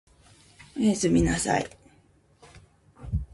お休みなさい